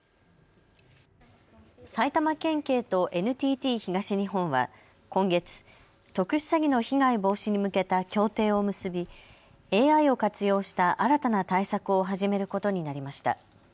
埼玉県警とＮＴＴ東日本は今月、特殊詐欺の被害防止に向けた協定を結びＡＩを活用した新たな対策を始めることになりました。